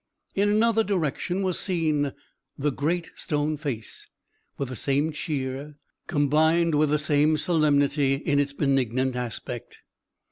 In another direction was seen the Great Stone Face, with the same cheer, combined with the same solemnity, in its benignant aspect.